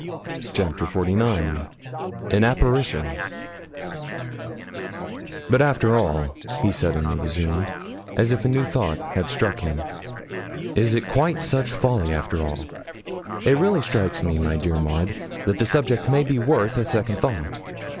CHAPTER XLIX AN APPARITION 'But, after all,' he suddenly resumed, as if a new thought had struck him, 'is it quite such folly, after all? It really strikes me, dear Maud, that the subject may be worth a second thought.